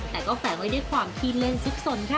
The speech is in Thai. แต่ก็แฝงไว้ด้วยความขี้เล่นซุกสนค่ะ